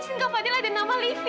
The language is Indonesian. cincin kak fadil ada nama livi